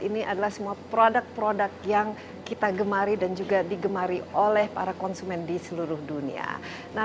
ini adalah semua produk produk yang kita gemari dan juga digemari oleh para konsumen di seluruh dunia